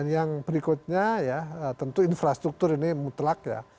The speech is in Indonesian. yang berikutnya ya tentu infrastruktur ini mutlak ya